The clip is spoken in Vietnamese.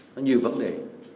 nó nhiều vấn đề